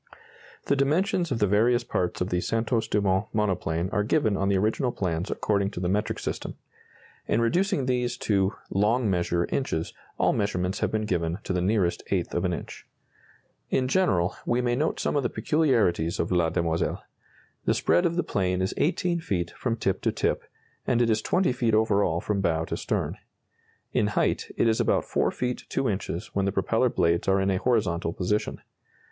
The dimensions of the various parts of the Santos Dumont monoplane are given on the original plans according to the metric system. In reducing these to "long measure" inches, all measurements have been given to the nearest eighth of an inch. In general, we may note some of the peculiarities of La Demoiselle. The spread of the plane is 18 feet from tip to tip, and it is 20 feet over all from bow to stern. In height, it is about 4 feet 2 inches when the propeller blades are in a horizontal position.